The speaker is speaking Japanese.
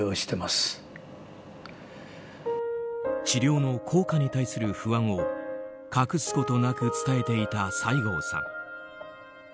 治療の効果に対する不安を隠すことなく伝えていた西郷さん。